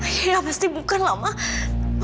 iya pasti bukan lah mama